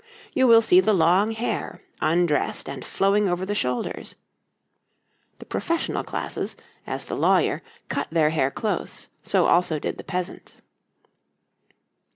You will see the long hair, undressed and flowing over the shoulders (the professional classes, as the lawyer, cut their hair close, so also did the peasant).